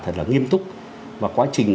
thật là nghiêm túc và quá trình